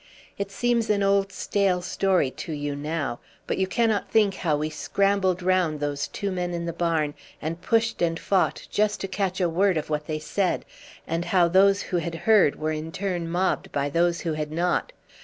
It seems an old stale story to you now, but you cannot think how we scrambled round those two men in the barn, and pushed and fought, just to catch a word of what they said, and how those who had heard were in turn mobbed by those who had not.